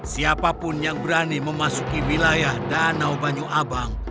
siapapun yang berani memasuki wilayah danau banyuabang